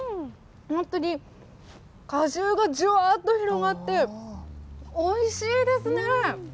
本当に果汁がじゅわーっと広がって、おいしいですね。